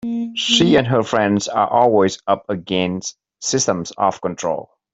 She and her friends are always up against systems of control.